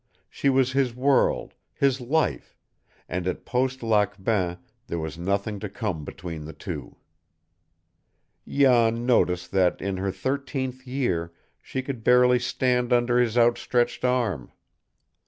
She was his world, his life, and at Post Lac Bain there was nothing to come between the two. Jan noticed that in her thirteenth year she could barely stand under his outstretched arm.